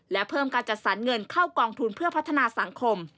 และเพิ่มการจัดสรรเงินเข้ากองทุนเพื่อพัฒนาสังคม